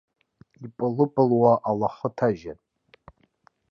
Ипылыпылуа алахы ҭажьын.